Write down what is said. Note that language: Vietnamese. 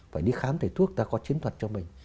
phải đi khám thầy thuốc ta có chiến thuật cho mình